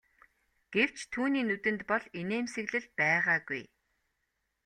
Гэвч түүний нүдэнд бол инээмсэглэл байгаагүй.